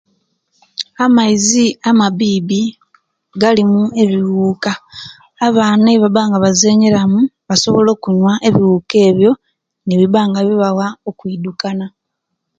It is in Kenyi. Amaizi amabibi galimu ebiwuka abaana eibaba nga bazenyera mu basobola okunyuwa ebibuka ebiyo nebina nga bibawa okwidukana